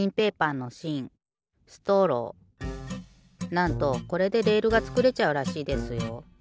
なんとこれでレールがつくれちゃうらしいですよ。